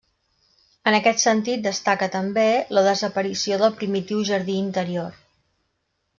En aquest sentit destaca, també, la desaparició del primitiu jardí interior.